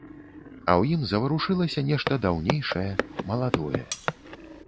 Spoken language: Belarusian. А ў ім заварушылася нешта даўнейшае, маладое.